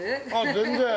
◆全然。